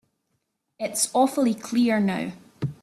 It's awfully clear now.